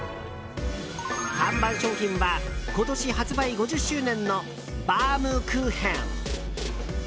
看板商品は今年発売５０周年のバームクーヘン。